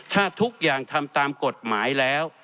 ถ้าทุกอย่างทำตามกฎหมายแล้ว